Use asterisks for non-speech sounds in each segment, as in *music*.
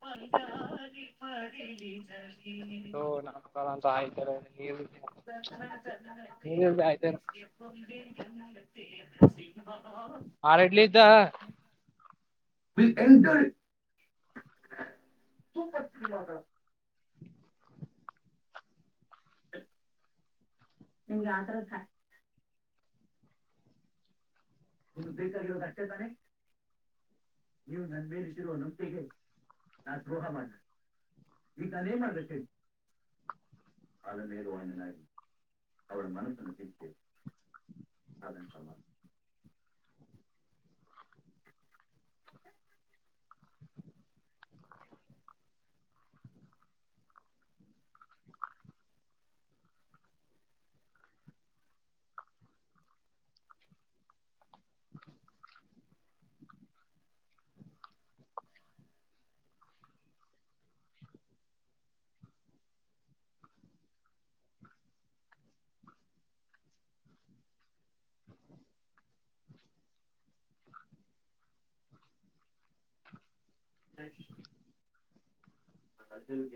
ಮಡಿಲಿಗೆ *unintelligible* ಹ ನಮಕಾರ ಅಂತ ಆಯ್ತಾರೆ *unintelligible* ನ್ನ ನೀರ್ ನತ ಆಯ್ತಾರ ಎನ್ನತ್ತ *unintelligible* ಆಾರ ಇಡ್ಲಿ ಇದ್ದ *unintelligible* ವಿ ಎಂಟರ್ *unintelligible* ನಿಂ್ಗೆ ಯಾವತರ *unintelligible* ಒಂದು ಬೇಕ ಕತೆತಾನೆ ನೀವು ನನ್ಮೇಿಸಿರುವ ನಂಬೆಗೆ ನಾ ದ್ರೋಹ ಮಾಡ ಈತಾನಏ ಮಾಡ ಸ ಅದ ಮೇಲೆ ವಂದ ನಾಗಿಿ ಅವಳ ಮನಸನ್ನು ತೀತೇ ಅದೆಂತ ಮಾತು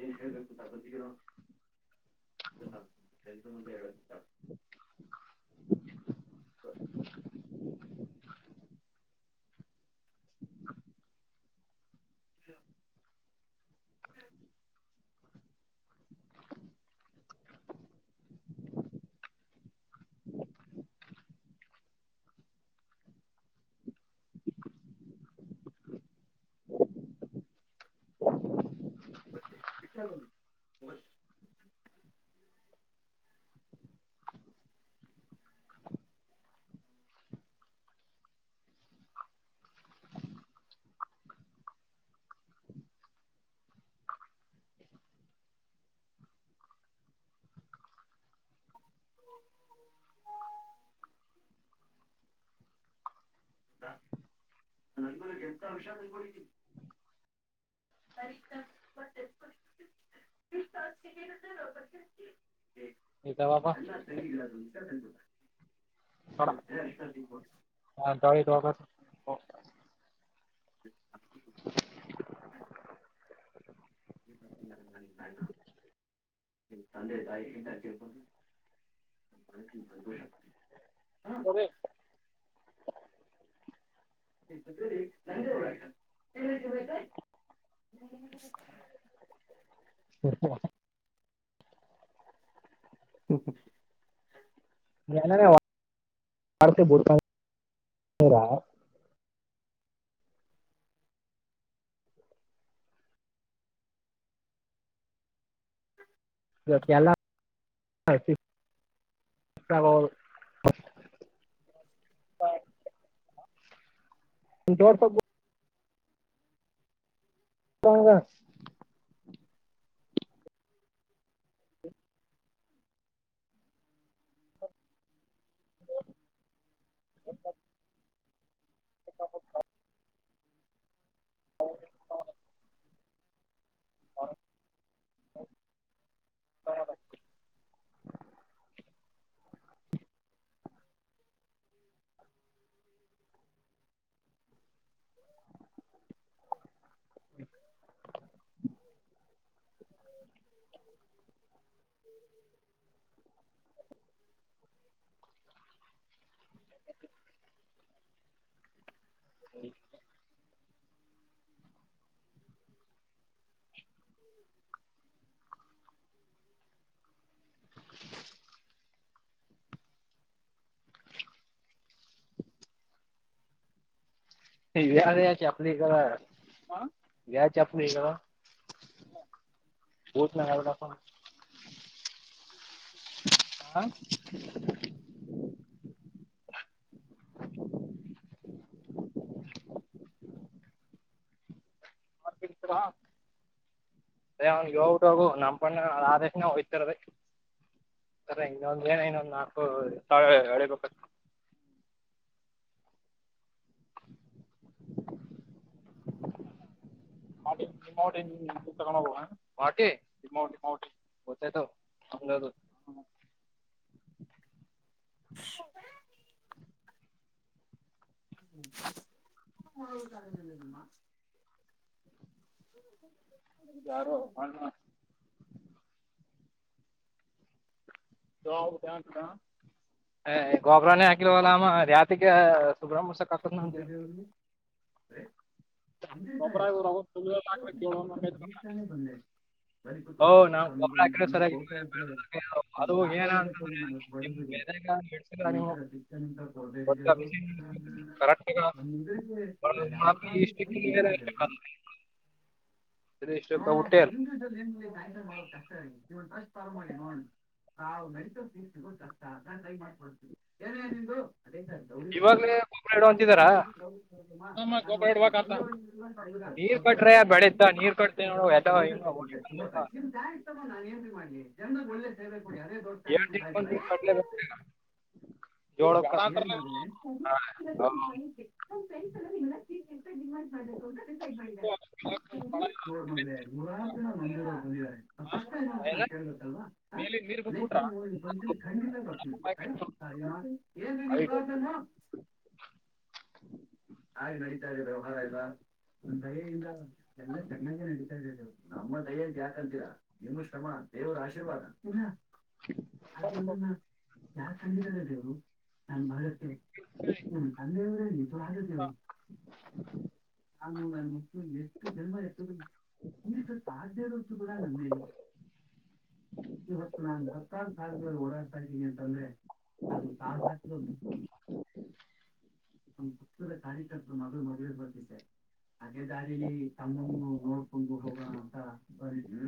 ಏನ ಹೇಳಳ್ಬೇಕಪಂದಿಕರೋ ಎ ಮು ಹೇಳ *unintelligible* *inaudible* *inaudible* *unintelligible* *inaudible* ನಗ ಎಂತ ಹಷ ಕೊಡಿದ್ದಿ *unintelligible* ಇದ್ದಾವಪ್ಪ ಅಲ್ಲ ತಂಗಿಲ್ಲ ಸಷ ತ *unintelligible* *inaudible* ತಂದೆ ತಾಯಿಿಂದಬ *inaudible* *inaudible* ಿ ನಂದೇ ಹರಾಟ ಏನ್ ಬ *inaudible* *unintelligible* ಹ್ಮ ಹ್ಮ *unintelligible* ಏಲ್ಲ ಕಾವಲ *unintelligible* *unintelligible* ಪಾೌಂಗಾ *inaudible* *inaudible* *inaudible* ಹೌ *inaudible* ಹ ಹ್ಮ *inaudible* *inaudible* ಹ ಹ ವ ಚಪಲಿ ಕ ವ್ಯ ಚಪ್ಪಲಿ ಕ ಚ್ ನ ಹಾವದಕ ಹ *inaudible* ವಾಕ್ ಸಲಾಮ ಅದೇ ಅವ್ನ್ಿಗೆ ಯೋಗಟ್ಟ ಹೋಗು ನಮ್ಮ ಪಣ್ಣ ಆದೇಶನ ಹೋಗಯ್ತರದ ಸರ ಇನ್ನೊಂದ ಏನ ಇನ್ನೊಂದ್ ನಾಲ್ಕು ಹೊಳಿಬೇಕ *inaudible* ಮಾಡ ಜಮಾವ ಪತ ಮಾಡ ಜಮಾವಮಾವ ಕತ್ತಾಯ ಹಂಗದು *inaudible* ಹ್ಮ್ ಕ ಹ್ಮ ಯಾರೋ ಹಣ ಾವ ಕ ಕ ಹ ಗೋಬ್ರಾನೇ ಹಾಕಲಲ್ಲ ರತಿಗೆ ಸುಬ್ರ್ಮ *unintelligible* *inaudible* ಗೊಬ್ಬರ ಇವ್ರು ಅವಾಗ ಸುಳ್ಳು ಬಂದೆತತು ಹಾಕ್ಬೇಕು ಏಳು ಅನ್ನೋ ನಿ ಬಂದ ಬರಿ ಓ ನಾವು ಗೊಬ್ಬರ ಹಾಕಿದ್ರೆ ನೀಗೆ ಸರಿಯಾಗಿ ಹೋಗತಾ ಇದ್ದಾರೆ ನಿಮ ಅದು ಏನ ಕಾಲರಿ ಇರತ್ತ ಅಂತಂದ್ರೆ ನನಗ್ ನಿಮ್ ಬಡಬಿಡು ಬೆಳೆಗ ಮೆಣಸಿಲ್ಲ ನೀವು ಈಟರದಿಕ್ಕೆ ನಿಂತ ಕೊಡ್ಡ ಗೊತ್ತಾ ಹೇಳಿದವರು ಬಿಸಿ ಕರೆಕ್ಟ್ ನಮ ಮುಂದರಿಗೆ ತಾನ ಯಾವ ತ ಹ ಹಾ ನಿ ನಿಾಯಂ ಮಾಡಕ್ ಕಷ್ಟ ಆಗ ರ ನೋ ನಾವು ನೈತ ತೀರ್ಸೋ ಕಷ್ಟ ಅ ದಯ ಮಾಡ್ಕೊ ಏನ ಏನಿದ್ರು ಅದೇಳಬ್ ಇವಾಗಲೇ ಗೊಬ್ಬರ ಇಡೋ ಅಂತಿದಾರ ನಮ್ಮ ನಾನ್ ಗೊಬ್ಬರ ಹೋಗ್ತಿ ಇಡ್ಬೇಕಂತ ನೀರ್ ಮುದಕ್ಟರ್ ಕೊಟ್ರೆ ಬೆಳಿತ ನೀರ್ ಕೊಡ್ತೀವಿ ತ ನೋಡು ಎಲ್ಲ ಹಿಂಗ ನಾನನ್ ನ್ ಮಾಡ್ಲಿ ಎಮ್ದ ಒಳ್ಳೆ ಎಟ ಕಟ್ಟ ಏನ್ ಮಾಡ್ರೆ ಮನೆಪಲ್ಲ ಹಾ, ಮಾಡ್ರ ತ ಬಂದಾರೆ ಈರು ಹೌದ್. ನೋ ಮಂಗ ನೂರಾತ್ರಿ ಮಂಗಂದಿದ್ದಾರೆ ಅ ಕಷ್ಟ ಏ ಏನು? ಕೇಳ್ಬೇಕತ್ತಲ್ವಾ ಮೇಲೆ ನೀರ್ ನ ಬಿಟ್ಬಿಟ್ರ ಮೂ ಬ ಖಂಡಿತತ ಏನ್ನಿ ಐದು. ಪ್ರಾರ್ಸನಾ *unintelligible* *inaudible* ಆಯ್ ನಡೀತಾ ಇದ್ರೆ ವ್ಯವಹಾರ ಇಲ್ವಾ ನ ದಯೆಯಿಂದ ಎಲ್ಲ ಚೆನ್ನಾಗೇ ನಡೀತಾ ಇದ ನಮ್ಮ ದಯ ಯಾಕಂತಿಲ್ಲ ಏನು ಶ್ರಮ ದೇವ ಆಶೀರ್ವಾದ ಆದ್ರ ಯಾರ ಕಂದರಲ್ಲ ದೇವರು ನನ್ ಬಹಳ ಅಂದ ನೀ ತವ ಅ ನಷ್ಟು ೇಮ ಈ ರತ ಸಾಧ್ಯಧ್ಯರತ್ತು ಕೂಡ ನಮ್ಮ ಮೇಲಿದೆ ಇವತ್ತು ನಾ ಹತ್ತಾರು ಸಾವಿರದೊಳಗೆ ಓಡಾಡ್ತಾ ಇದ್ದೀನಿ ಅಂತಂದ್ರೆ ಅದು ಕಾವ ಹಕಲು ಬಿ ಒಂದು ಪುಕ್ತದ ಕಾರ್ಯಕರ್ತರು ಮದುವ ಮದುವೆ ಬರ್ದಿದ್ದಾರೆ ಹಾಗೆ ದಾರಿಲಿ ತಮ್ಮನ್ನು ನೋಡ್ಕೊಂಡು ಹೋಗೋಣ ಅಂತ ಸ ಇದು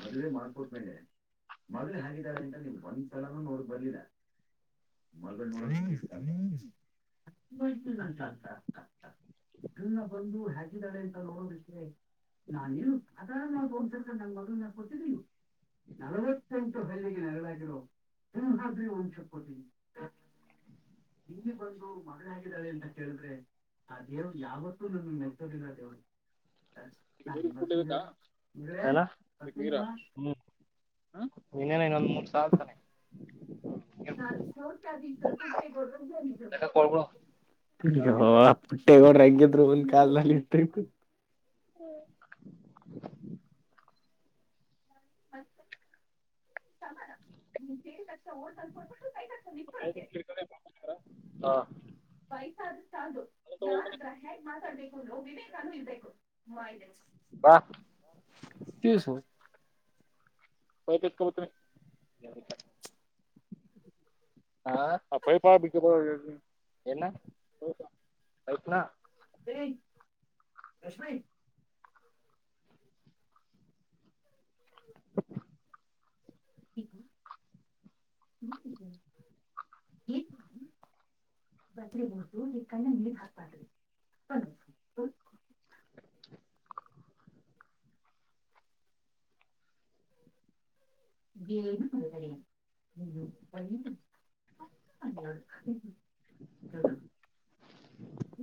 ಮದೆ ಮಾರ್ಕ ಮೇಲೆ ಮದುವವೆ ಹಾಗಗಿದಿದ್ದಾರೆ ಎಂತ ನೀವು ಬಂದ್ ಚಲ ನೋಡಕ್ ಬಂದರ ಮದುವೋ *unintelligible* *inaudible* ಇದನ್ನ ಬಂದು ಹಾಗಿದ್ದಾಳೆ ಅಂತ ನೋಲಿಕ್ಕೆೆ ನಾನೇ ಅದ ನಾಂತ ನಂಗ ಮಗ ನಾ ಕೊಡ್ತಿದ್ದ ನೀವು ನಲವತ್ತೆಂಟು ಬೆಳ್ಳಿಗೆ ನೆರಳಾಗಿರು ಹ್ಮ ಹಾ ಒಂಚ ಕಟ ಹಗೆ ಬಂದು ಮದುವೆ ಹಗಿದ್ದಾಳೆ ಅಂತ ಕೇಳಿದ್ರೆ ಅ ದೇವ ಯಾವತ್ತೂ ನಮಗೆ ಮೆಲ್ತೋದರ ದೇವ್ರ ಕೂಡ್ ಬಾರ್ಮ ಹ ಇನ್ನೇನ ಇನ್ನೊಂದ್ ಮೂರ್ ಸಲ್ತಾನೆ ನಾನು ಸಾವ ರೂಪಗ ಸ್ವಲ್ಪ ತಗಡ್ದು ಲೆಕ್ಕ ಕೊಡ್ಬಿಡು. ಪುಟ್ಟೆಗೋಡಂಗ್ಯತ್ರು ಒನ್ ಕಲ್ಲ್ಲಿ ಇಟ್ಟ ಹ್ಮ್ ಮತ್ತೆ ಸಮಾನೇ ಓಡ್ಬಗ *inaudible* ವಯಸಾದಷ್ಟದು ಯಾರದ್ರ ಹೇಗ್ ಮಾತಾಡ್ಬೇಕು ಬಾ. ಸು ಹತ ಪತ ಹಾ ಅಪ್ಪ ಪಾ ಆತನಾ ಕಷ್ಮಾಯ ಹ ಬದ್ರಿಬೌದು ಈ ಕಣ್ಣ ನೀ ಹಕಾದ್ರಿ ಬ *inaudible* ಅಯೋ ಹ್ಮ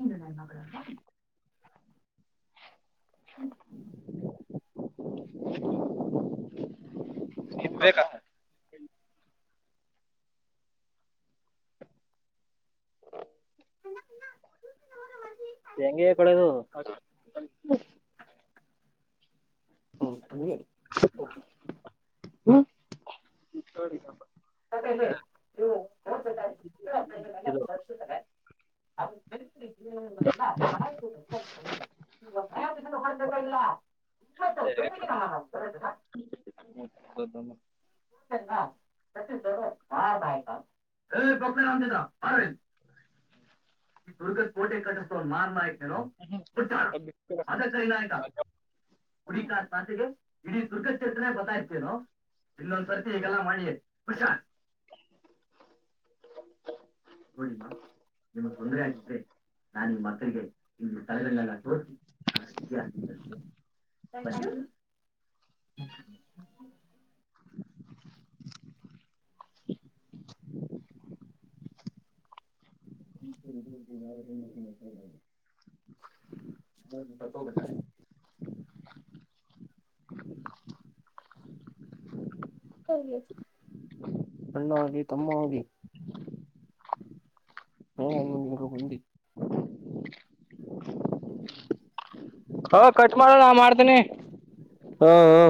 ನೀನು ನ ಮಗಳಲ್ವಾ ಹ್ಮ್ ಹ್ಮ ಇಬೇಕಾ ಹೆಂಗಗೆ ಕೊಡದು ಹ್ಮ ಹ ಮ ನೀವು ಕಸಾರೆ ಇದು ಅವಸರ್ಚ್ ಮಯ ಹೊ ಇಲ್ಲ ಇಮ್ಮೆ ಸ್ವಲ್ಪ ಬೆಗಿನ ಮಾಡ ಸ *inaudible* ಈ ದುರ್ಗ ಕೋಟೆ ಕಟ್ಟಸ್ ಒ ಮಾಾರ ಆಯತು ಹೇಳೋಡ್ತ ಅದ ಕೈ ನಾಯಕ ಕುಡಿಕಾ ತಾಸೆಗೆ ಇಡೀ ದುರ್ಗ ಚೇತನೆ ಬರ್ತಾ ಇತೇನು ಇನ್ನೊಂದ್ಸರ್ತಿ ಹಗೆಲ್ಲ ಮಾಡಿ ಹಶಾಂತ್ ನೋಡಿಮ್ಮಾ ನಿಮ್ಗ್ ತೊಂದ್ರ ಆಗಿದ್ರೆ ನಾನ ನಿ ಮತ್ತಿಗೆ ನಿ ತಲೆರಂಗಲ್ಲ ತೋಡ್ಕಿ ಅದರ ಇತಿಹಾಸೇನೆ ಹ *inaudible* ಹ ಗನ್ನ ಅಣ್ಣಾವೋಗ ತಮ್ಮ ಅವೋಗಿ ಹ ಅ ನೀ ಒಂದಿ ಹ ಖರ್ಚ ಮಾಡೋಣ ಮಾಡ್ತೇನಿ ಹಾ ಹಾ